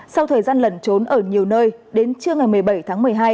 sau thời gian lẩn trốn ở nhiều nơi đến trưa ngày một mươi bảy tháng một mươi hai